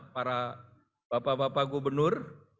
para bapak bapak gubernur